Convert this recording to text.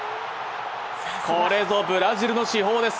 これぞブラジルの至宝です。